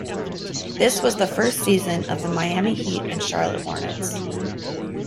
This was the first season of the Miami Heat and Charlotte Hornets.